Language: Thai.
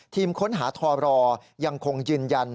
ทีมค้นหาทรยังคงยืนยัน